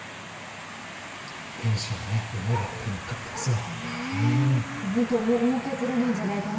店主の思いがやっぱり乗っかってますよ。